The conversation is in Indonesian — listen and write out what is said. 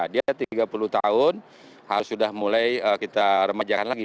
dia tiga puluh tahun harus sudah mulai kita remajakan lagi